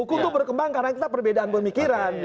hukum itu berkembang karena kita perbedaan pemikiran